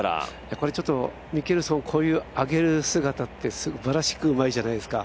これミケルソン、こういう上げる姿って、すばらしいじゃないですか。